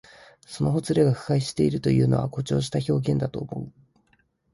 そのほつれが腐敗しているというのは、誇張した表現だと思う。